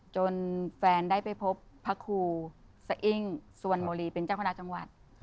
จนแฟนได้ไปพบพระครูสะอิ้งสวนโมรีเป็นเจ้าคณะจังหวัด